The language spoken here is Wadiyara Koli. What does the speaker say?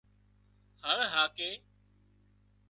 هۯ هاڪي